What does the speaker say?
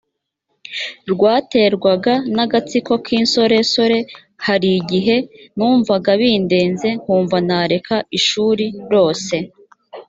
rwaterwaga n agatsiko k insoresore hari igihe numvaga bindenze nkumva nareka ishuri rose